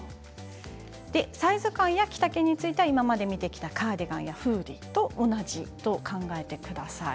サイズ感や着丈については今まで見てきたカーディガンやフーディーと同じと考えてください。